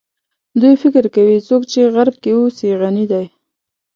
دوی فکر کوي څوک چې غرب کې اوسي غني دي.